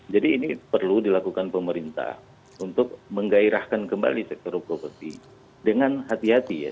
jadi ini perlu dilakukan pemerintah untuk menggairahkan kembali sektor properti dengan hati hati ya